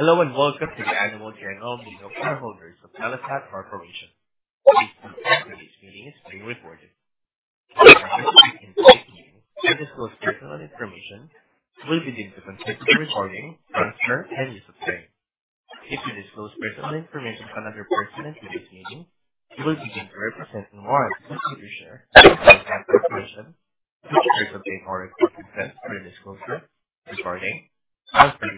Hello and welcome to the Annual General Meeting of Shareholders of Telesat Corporation. Please note that today's meeting is being recorded. For purposes of information use, please disclose personal information. We will begin to consider the recording, transcript, and use of screen. If you disclose personal information on another person at today's meeting, you will begin to represent and warrant to Computershare. Telesat Corporation took the first of their authorized consent for the disclosure, recording, transferring substantial personal information from all of the state persons before your disclosure. It is now my pleasure to turn this meeting over to the meeting Chair. The meeting Chair, the floor is yours. Okay, thank you,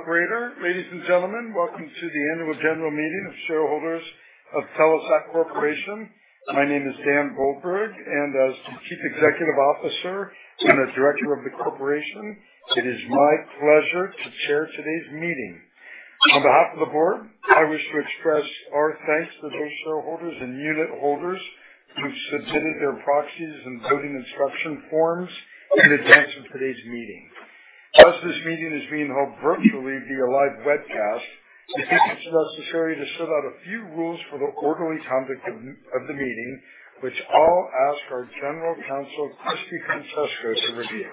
Operator. Ladies and gentlemen, welcome to the Annual General Meeting of Shareholders of Telesat Corporation. My name is Dan Goldberg, and as the Chief Executive Officer and the director of the Corporation, it is my pleasure to chair today's meeting. On behalf of the board, I wish to express our thanks to those shareholders and unit holders who submitted their proxies and voting instruction forms in advance of today's meeting. As this meeting is being held virtually via live webcast, we think it's necessary to set out a few rules for the orderly conduct of the meeting, which I'll ask our General Counsel, Christy DiFrancesco, to review.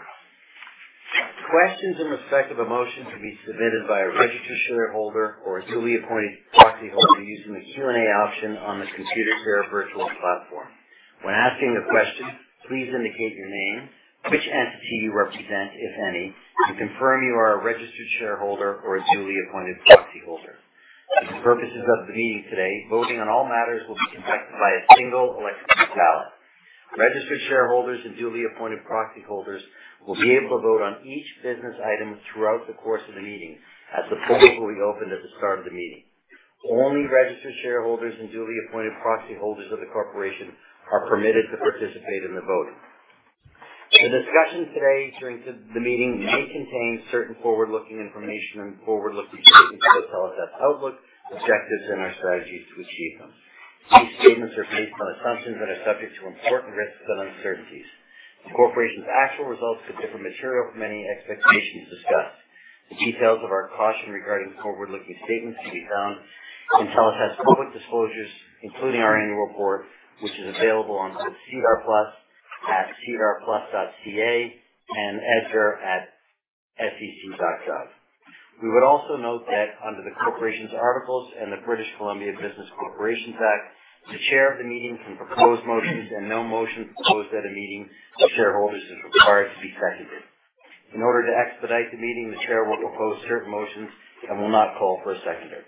Questions in respect of a motion to be submitted by a registered shareholder or a duly appointed proxy holder are using the Q&A option on the Computershare virtual platform. When asking a question, please indicate your name, which entity you represent, if any, and confirm you are a registered shareholder or a duly appointed proxy holder. For the purposes of the meeting today, voting on all matters will be conducted by a single electronic ballot. Registered shareholders and duly appointed proxy holders will be able to vote on each business item throughout the course of the meeting, as the polls will be opened at the start of the meeting. Only registered shareholders and duly appointed proxy holders of the corporation are permitted to participate in the voting. The discussion today during the meeting may contain certain forward-looking information and forward-looking statements about Telesat's outlook, objectives, and our strategies to achieve them. These statements are based on assumptions that are subject to important risks and uncertainties. The corporation's actual results could differ materially from any expectations discussed. The details of our caution regarding forward-looking statements can be found in Telesat's public disclosures, including our annual report, which is available on SEDAR+ at sedarplus.ca and EDGAR at sec.gov. We would also note that under the corporation's articles and the British Columbia Business Corporations Act, the chair of the meeting can propose motions, and no motion proposed at a meeting by shareholders is required to be seconded. In order to expedite the meeting, the chair will propose certain motions and will not call for a seconder.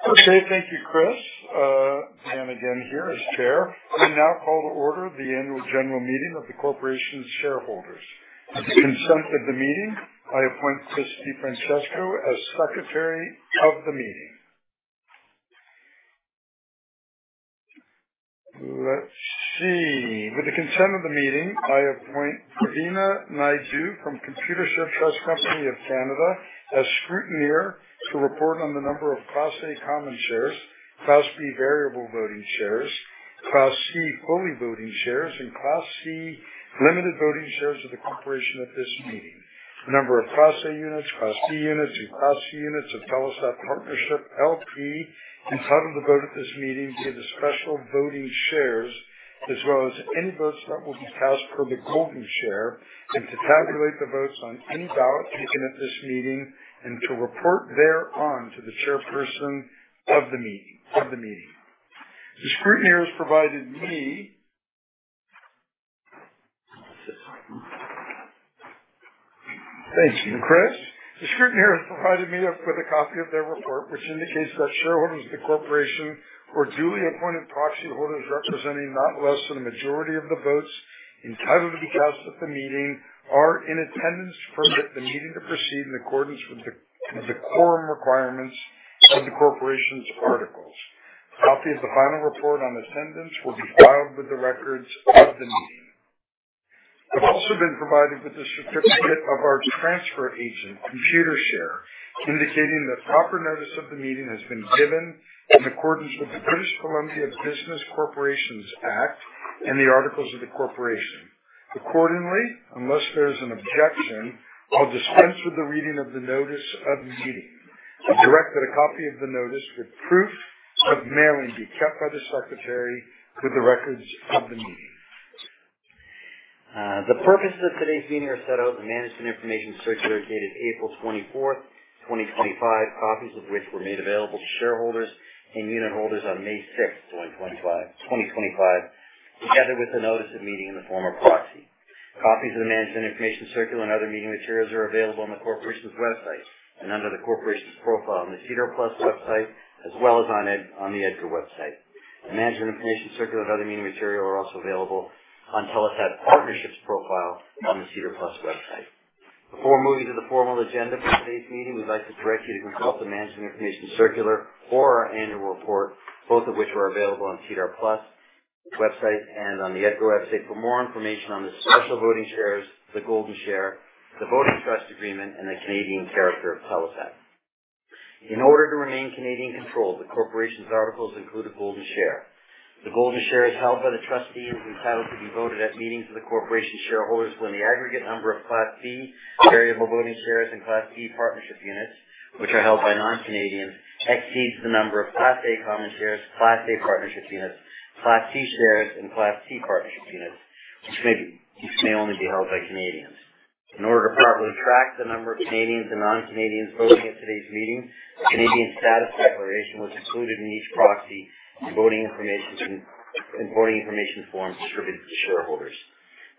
Okay, thank you, Chris. Dan again here as Chair. We now call to order the Annual General Meeting of the corporation's shareholders. With the consent of the meeting, I appoint Christy DiFrancesco as Secretary of the Meeting. Let's see. With the consent of the meeting, I appoint Rubina Naidoo from Computershare Trust Company of Canada as scrutineer to report on the number of Class A common shares, Class B variable voting shares, Class C fully voting shares, and Class C limited voting shares of the corporation at this meeting. The number of Class A Units, Class B Units, and Class C Units of Telesat Partnership, LP entitled to vote at this meeting via the Special Voting Shares, as well as any votes that will be cast per the Golden Share, and to tabulate the votes on any ballot taken at this meeting, and to report thereon to the chairperson of the meeting. Thank you, Chris. The scrutineer has provided me with a copy of their report, which indicates that shareholders of the corporation or duly appointed proxy holders representing not less than a majority of the votes entitled to be cast at the meeting are in attendance to permit the meeting to proceed in accordance with the quorum requirements of the corporation's articles. A copy of the final report on attendance will be filed with the records of the meeting. I've also been provided with the certificate of our transfer agent, Computershare, indicating that proper notice of the meeting has been given in accordance with the British Columbia Business Corporations Act and the articles of the corporation. Accordingly, unless there is an objection, I'll dispense with the reading of the notice of the meeting. I've directed a copy of the notice with proof of mailing be kept by the secretary with the records of the meeting. The purposes of today's meeting are set out in the Management Information Circular dated April 24th, 2025, copies of which were made available to shareholders and unit holders on May 6th, 2025, together with the notice of meeting in the form of proxy. Copies of the Management Information Circular and other meeting materials are available on the corporation's website and under the corporation's profile on the SEDAR+ website, as well as on the EDGAR website. The Management Information Circular and other meeting material are also available on Telesat Partnership's profile on the SEDAR+ website. Before moving to the formal agenda for today's meeting, we'd like to direct you to consult the Management Information Circular or our annual report, both of which are available on SEDAR+ website and on the EDGAR website for more information on the special voting shares, the Golden Share, the voting trust agreement, and the Canadian character of Telesat. In order to remain Canadian-controlled, the corporation's articles include a Golden Share. The Golden Share is held by the trustees entitled to be voted at meetings of the corporation's shareholders when the aggregate number of Class B Variable Voting Shares and Class B Partnership Units, which are held by non-Canadians, exceeds the number of Class A Common Shares, Class A Units, Class C Shares, and Class C Units, which may only be held by Canadians. In order to properly track the number of Canadians and non-Canadians voting at today's meeting, the Canadian status declaration was included in each proxy and voting information form distributed to shareholders.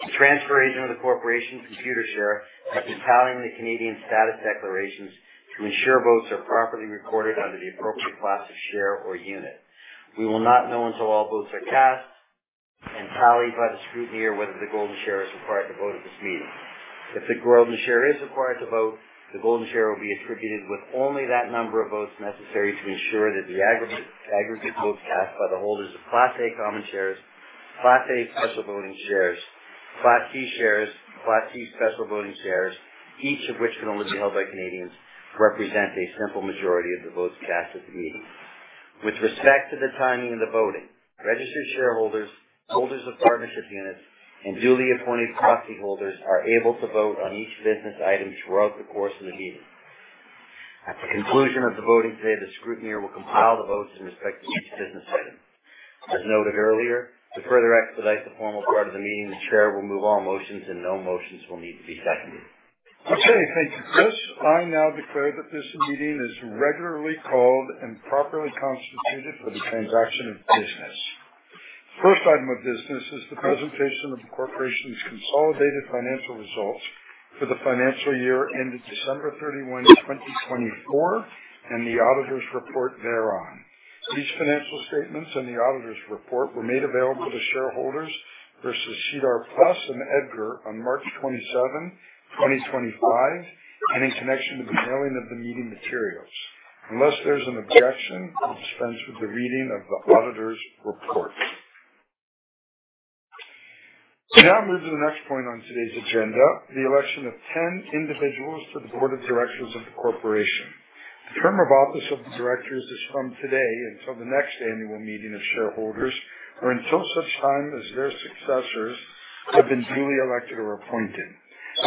The transfer agent of the corporation, Computershare, is entitling the Canadian status declarations to ensure votes are properly recorded under the appropriate class of share or unit. We will not know until all votes are cast and tallied by the scrutineer whether the Golden Share is required to vote at this meeting. If the Golden Share is required to vote, the Golden Share will be attributed with only that number of votes necessary to ensure that the aggregate votes cast by the holders of Class A common shares, Class A special voting shares, Class C shares, and Class C special voting shares, each of which can only be held by Canadians, represent a simple majority of the votes cast at the meeting. With respect to the timing of the voting, registered shareholders, holders of partnership units, and duly appointed proxy holders are able to vote on each business item throughout the course of the meeting. At the conclusion of the voting today, the scrutineer will compile the votes in respect to each business item. As noted earlier, to further expedite the formal part of the meeting, the Chair will move all motions, and no motions will need to be seconded. Okay, thank you, Chris. I now declare that this meeting is regularly called and properly constituted for the transaction of business. The first item of business is the presentation of the corporation's consolidated financial results for the financial year ended December 31, 2024, and the auditor's report thereon. These financial statements and the auditor's report were made available to shareholders via SEDAR+ and EDGAR on March 27, 2025, and in connection to the mailing of the meeting materials. Unless there is an objection, I'll dispense with the reading of the auditor's report. So now I'll move to the next point on today's agenda, the election of 10 individuals to the board of directors of the corporation. The term of office of the directors is from today until the next annual meeting of shareholders or until such time as their successors have been duly elected or appointed.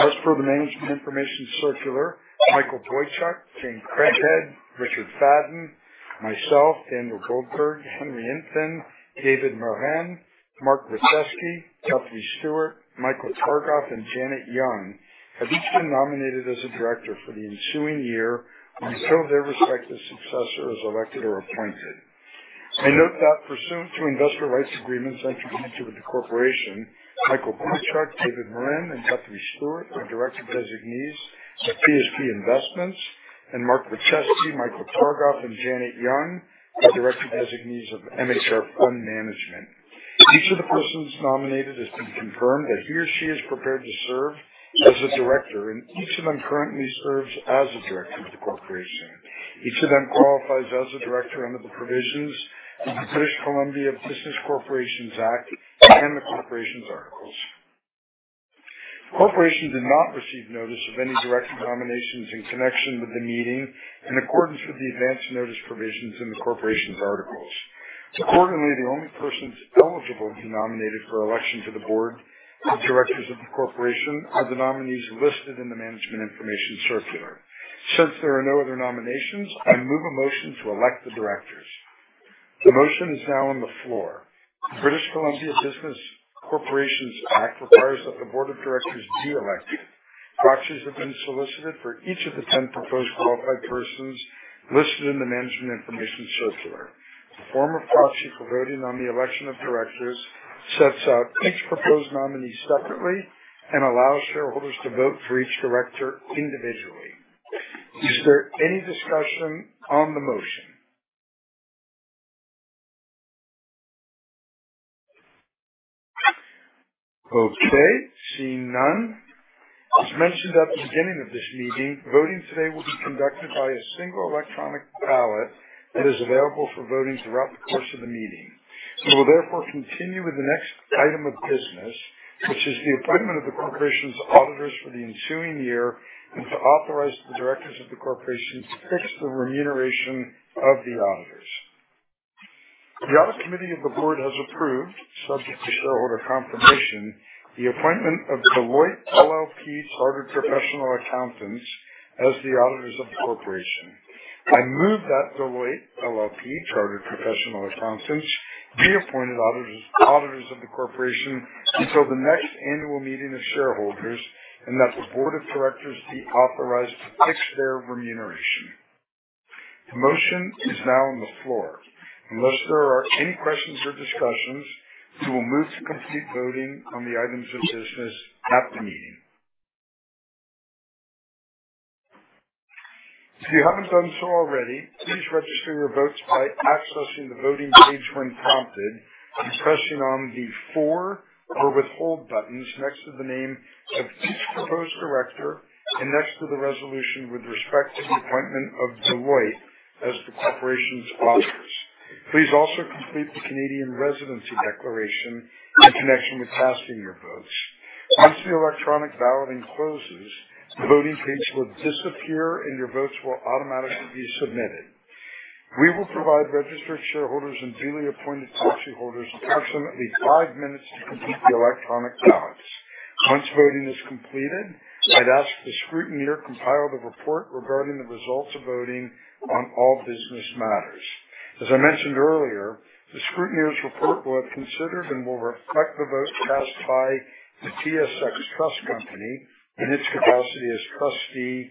As per the Management Information Circular, Michael Boychuk, Jane Craighead, Richard Fadden, myself, Daniel Goldberg, Henry Intven, David Moran, Mark Rachesky, Guthrie Stewart, Michael Targoff, and Janet Young have each been nominated as a director for the ensuing year until their respective successor is elected or appointed. I note that pursuant to investor rights agreements entered into with the corporation, Michael Boychuk, David Moran, and Guthrie Stewart are director designees of PSP Investments, and Mark Rachesky, Michael Targoff, and Janet Young are director designees of MHR Fund Management. Each of the persons nominated has been confirmed that he or she is prepared to serve as a director, and each of them currently serves as a director of the corporation. Each of them qualifies as a director under the provisions of the British Columbia Business Corporations Act and the corporation's articles. The corporation did not receive notice of any direct nominations in connection with the meeting in accordance with the advance notice provisions in the corporation's articles. Accordingly, the only persons eligible to be nominated for election to the board of directors of the corporation are the nominees listed in the Management Information Circular. Since there are no other nominations, I move a motion to elect the directors. The motion is now on the floor. The British Columbia Business Corporations Act requires that the board of directors be elected. Proxies have been solicited for each of the 10 proposed qualified persons listed in the Management Information Circular. The form of proxy for voting on the election of directors sets out each proposed nominee separately and allows shareholders to vote for each director individually. Is there any discussion on the motion? Okay, seeing none. As mentioned at the beginning of this meeting, voting today will be conducted by a single electronic ballot that is available for voting throughout the course of the meeting. We will therefore continue with the next item of business, which is the appointment of the corporation's auditors for the ensuing year and to authorize the directors of the corporation to fix the remuneration of the auditors. The audit committee of the board has approved, subject to shareholder confirmation, the appointment of Deloitte LLP Chartered Professional Accountants as the auditors of the corporation. I move that Deloitte LLP Chartered Professional Accountants be appointed auditors of the corporation until the next annual meeting of shareholders and that the board of directors be authorized to fix their remuneration. The motion is now on the floor. Unless there are any questions or discussions, we will move to complete voting on the items of business at the meeting. If you haven't done so already, please register your votes by accessing the voting page when prompted and pressing on the for or withhold buttons next to the name of each proposed director and next to the resolution with respect to the appointment of Deloitte as the corporation's auditors. Please also complete the Canadian residency declaration in connection with casting your votes. Once the electronic balloting closes, the voting page will disappear and your votes will automatically be submitted. We will provide registered shareholders and duly appointed proxy holders approximately five minutes to complete the electronic ballots. Once voting is completed, I'd ask the scrutineer to compile the report regarding the results of voting on all business matters. As I mentioned earlier, the scrutineer's report will have considered and will reflect the votes cast by the TSX Trust Company in its capacity as trustee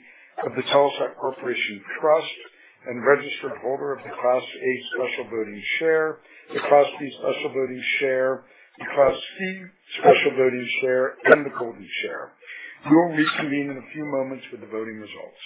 of the Telesat Corporation Trust and registered holder of the Class A special voting share, the Class B special voting share, the Class C special voting share, and the Golden Share. We will reconvene in a few moments with the voting results.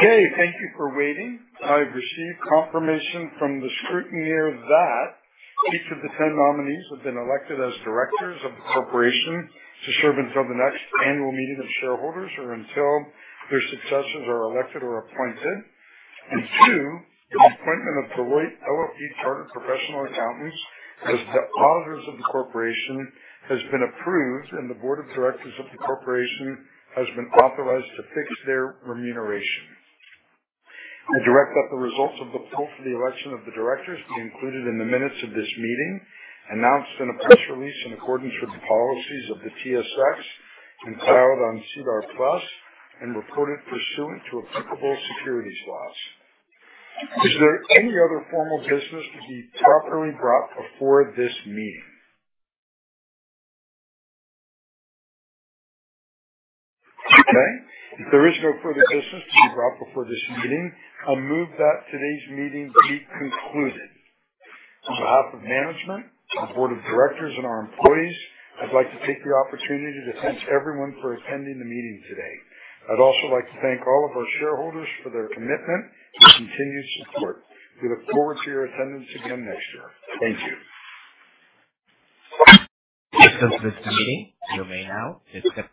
Okay, thank you for waiting. I've received confirmation from the scrutineer that each of the 10 nominees have been elected as directors of the corporation to serve until the next annual meeting of shareholders or until their successors are elected or appointed, and two, the appointment of Deloitte LLP Chartered Professional Accountants as the auditors of the corporation has been approved, and the board of directors of the corporation has been authorized to fix their remuneration. I direct that the results of the poll for the election of the directors be included in the minutes of this meeting, announced in a press release in accordance with the policies of the TSX, compiled on SEDAR+, and reported pursuant to applicable securities laws. Is there any other formal business to be properly brought before this meeting? Okay. If there is no further business to be brought before this meeting, I move that today's meeting be concluded. On behalf of management, the board of directors, and our employees, I'd like to take the opportunity to thank everyone for attending the meeting today. I'd also like to thank all of our shareholders for their commitment and continued support. We look forward to your attendance again next year. Thank you. This concludes the meeting. You may now disconnect.